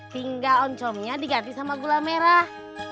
tinggal oncomnya diganti sama gula merah